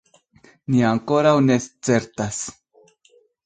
Ni ankoraŭ ne certas.